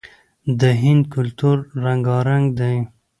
د هند کلتور رنګارنګ دی.